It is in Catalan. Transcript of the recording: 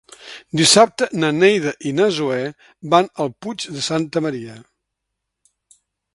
Dissabte na Neida i na Zoè van al Puig de Santa Maria.